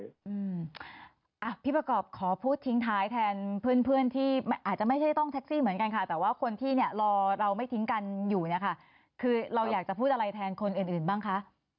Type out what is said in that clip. อืมอ่ะพี่ประกอบขอพูดทิ้งท้ายแทนเพื่อนเพื่อนที่อาจจะไม่ใช่ต้องแท็กซี่เหมือนกันค่ะแต่ว่าคนที่เนี่ยรอเราไม่ทิ้งกันอยู่เนี่ยค่ะคือเราอยากจะพูดอะไรแทนคนอื่นอื่นบ้างคะ